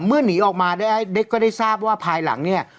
เมื่อหนีออกมาได้เด็กก็ได้ทราบว่าภายหลังเนี้ย